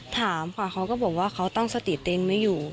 ถามค่ะเขาก็บอกว่าเขาตั้งสติเต้นไม่อยู่